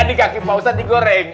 di kaki pausa digoreng